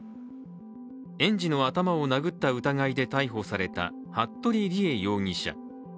園児の頭を殴った疑いで逮捕された服部理江容疑者。